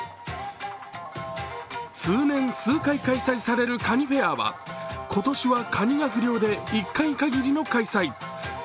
通年数回開催される、かにフェアは今年がかにが不漁で１回限りの開催。